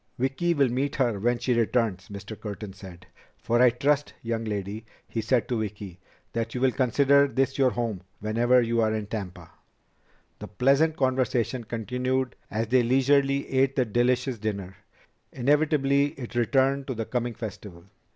"Vicki will meet her when she returns," Mr. Curtin said. "For I trust, young lady," he said to Vicki, "that you will consider this your home whenever you are in Tampa." The pleasant conversation continued as they leisurely ate the delicious dinner. Inevitably it returned to the coming festival.